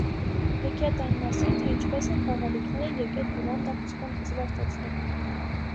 Հեքիաթ այն մասին, թե ինչպես են խաղալիքները եկել հիվանդ աղջկան զվարճացնելու։